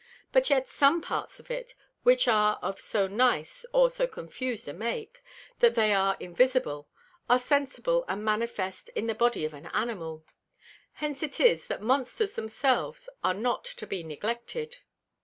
But yet some Parts of it, which are of so nice, or so confus'd a Make, that they are invisible, are sensible and manifest in the Body of an Animal. Hence it is, that Monsters themselves are not to be neglected.